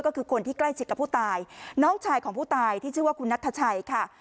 ก็คือคนที่ใกล้ชิดกับผู้ตายน้องชายของผู้ตายที่ชื่อว่าคุณนัทชัยค่ะ